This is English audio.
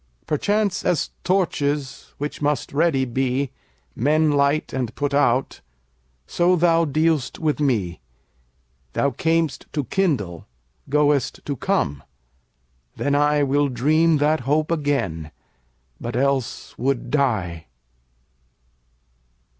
Perchance, as torches, which must ready be, Men light and put out, so thou dealst with me. Thou cam'st to kindle, goest to come: then IWill dream that hope again, but else would die.